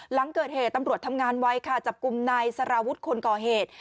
หลังเกิดเหตุตำรวจทำงานไว้ค่ะจับกลุ่มนายสารวุฒิคนก่อเหตุ